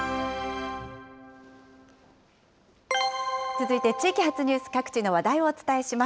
続いて地域発ニュース、各地の話題をお伝えします。